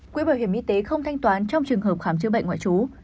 quỹ bảo hiểm y tế không thanh toán trong trường hợp khám chữa bệnh ngoại trú